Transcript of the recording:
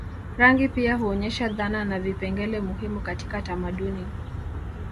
Rangi pia huonyesha dhana na vipengele muhimu katika tamaduni